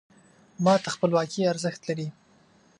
ما ته خپلواکي ارزښت لري .